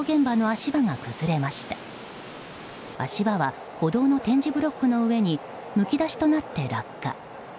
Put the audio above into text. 足場は歩道の点字ブロックの上にむき出しとなって落下。